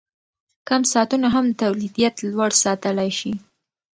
کم ساعتونه هم تولیدیت لوړ ساتلی شي.